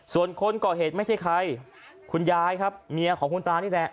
ส่วนคนก่อเหตุไม่ใช่ใครคุณยายครับเมียของคุณตานี่แหละ